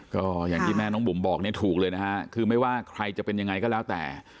ก็อย่างที่แม่น้องบุ๋มบอกเนี่ยถูกเลยนะฮะคือไม่ว่าใครจะเป็นยังไงก็แล้วแต่